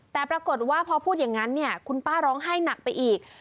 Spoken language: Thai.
แต่ปรากฏว่าพอพูดอย่างนั้นเนี่ยคุณป้าร้องไห้หนักไปอีก